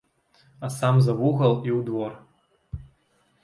А сам за вугал і ў двор.